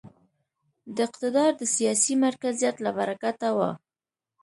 دا اقتدار د سیاسي مرکزیت له برکته و.